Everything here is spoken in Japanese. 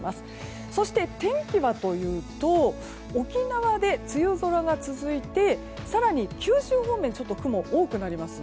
そして天気はというと沖縄で梅雨空が続いて更に九州方面雲が多くなります。